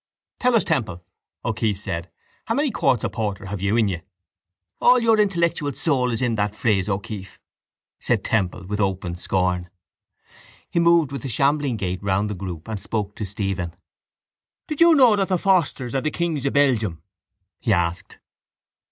—Tell us, Temple, O'Keeffe said, how many quarts of porter have you in you? —All your intellectual soul is in that phrase, O'Keeffe, said Temple with open scorn. He moved with a shambling gait round the group and spoke to Stephen. —Did you know that the Forsters are the kings of Belgium? he asked.